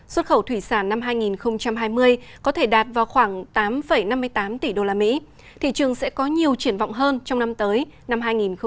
xuất khẩu thủy sản năm hai nghìn hai mươi có thể đạt vào khoảng tám năm mươi tám tỷ usd thị trường sẽ có nhiều triển vọng hơn trong năm tới năm hai nghìn hai mươi một